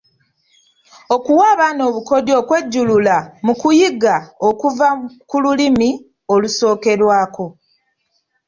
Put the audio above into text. Okuwa abaana obukodyo bw’okwejjulula mu kuyiga okuva ku Lulimi olusookerwako.